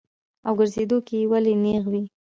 او ګرځېدو کښې ئې ولي نېغ وي -